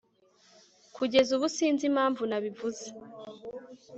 kugeza ubu sinzi impamvu nabivuze